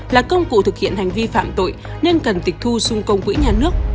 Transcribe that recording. là công cụ thực hiện hành vi phạm tội nên cần tịch thu xung công quỹ nhà nước